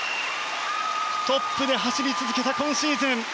トップで走り続けた今シーズン。